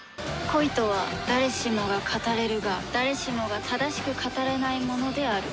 恋とは誰しもが語れるが誰しもが正しく語れないものである。